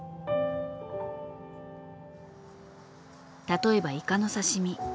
例えばイカの刺身。